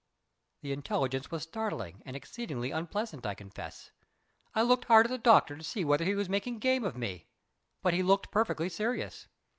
The intelligence was startling and exceedingly unpleasant, I confess. I looked hard at the doctor to see whether he was making game of me, but he looked perfectly serious.